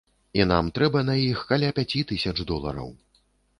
І нам трэба на іх каля пяці тысяч долараў.